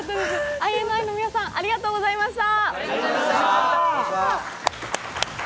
ＩＮＩの皆さん、ありがとうございました。